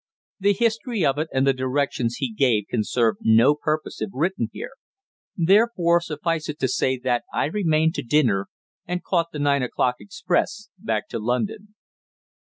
The history of it, and the directions he gave can serve no purpose if written here; therefore suffice it to say that I remained to dinner and caught the nine o'clock express back to London.